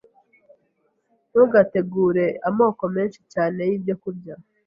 Ntugategure amoko menshi cyane y’ibyokurya